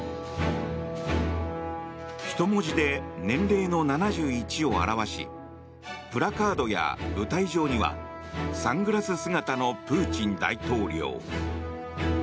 人文字で年齢の７１を表しプラカードや舞台上にはサングラス姿のプーチン大統領。